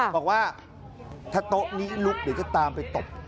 บอกว่าถ้าโต๊ะนี้ลุกเดี๋ยวจะตามไปตบ